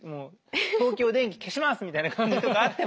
「東京電気消します！」みたいな感じとかあっても。